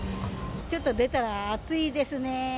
ちょっと出たら暑いですね。